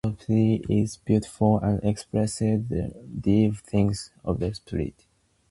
His poetry is beautiful and expresses the deep things of the Spirit.